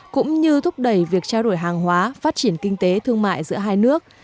cũng như thúc đẩy việc trao đổi hàng hóa phát triển kinh tế thương mại giữa hai nước